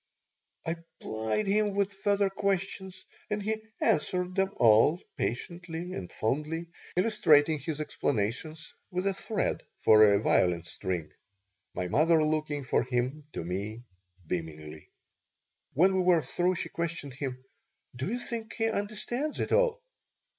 I plied him with further questions and he answered them all, patiently and fondly, illustrating his explanations with a thread for a violin string, my mother looking from him to me beamingly When we were through she questioned him: "Do you think he understands it all?"